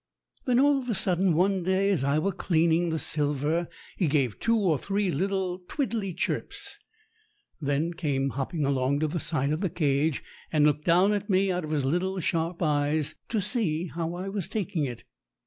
Then all of a sudden one day, as I were cleaning the silver, he give two or three little twiddly chirps, then come hopping along to the side of the cage and looked down at me out of his little sharp eyes, to see how I was taking it.